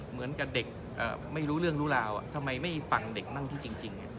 เหมือนกับเด็กไม่รู้เรื่องรู้ราวทำไมไม่ฟังเด็กมั่งที่จริง